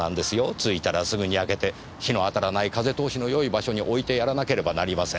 着いたらすぐに開けて日の当たらない風通しのよい場所に置いてやらなければなりません。